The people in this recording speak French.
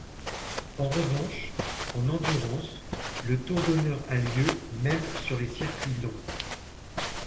En revanche, en endurance, le tour d'honneur a lieu même sur les circuits longs.